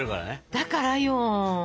だからよ。